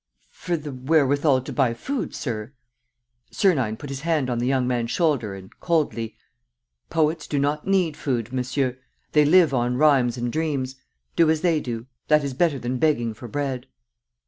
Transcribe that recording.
"For the wherewithal to buy food, sir." Sernine put his hand on the young man's shoulder and, coldly: "Poets do not need food, monsieur. They live on rhymes and dreams. Do as they do. That is better than begging for bread."